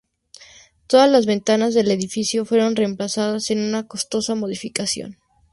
Todas las ventanas del edificio fueron reemplazadas en una costosa modificación.